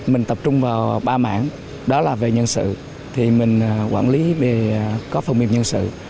mình tập trung vào ba mảng đó là về nhân sự thì mình quản lý về có phần mềm nhân sự